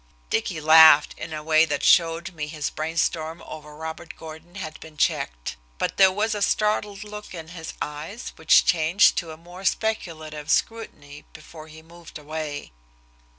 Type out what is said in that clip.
Dicky laughed in a way that showed me his brainstorm over Robert Gordon had been checked. But there was a startled look in his eyes which changed to a more speculative scrutiny before he moved away.